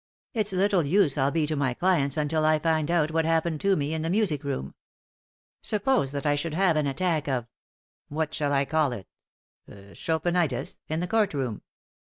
"It's little use I'll be to my clients until I find out what happened to me in the music room. Suppose that I should have an attack of what shall I call it? Chopinitis in the court room?